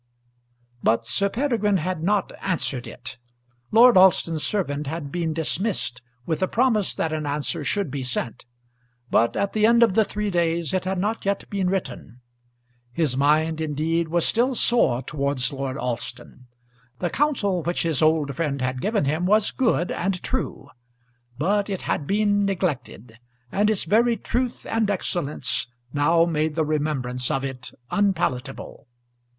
But Sir Peregrine had not answered it. Lord Alston's servant had been dismissed with a promise that an answer should be sent, but at the end of the three days it had not yet been written. His mind indeed was still sore towards Lord Alston. The counsel which his old friend had given him was good and true, but it had been neglected, and its very truth and excellence now made the remembrance of it unpalatable.